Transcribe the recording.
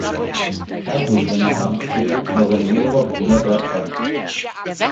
Erbe seiner Adelstitel war sein jüngerer Bruder Bertrand.